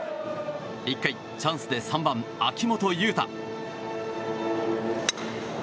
１回、チャンスで３番、秋元悠汰。